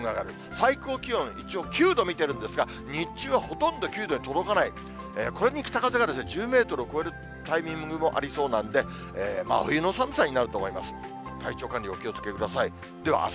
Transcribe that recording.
最高気温、一応、９度見てるんですが、日中はほとんど９度に届かない、これに北風が１０メートルを超えるタイミングもありそうなんで、真冬の寒さになると思います。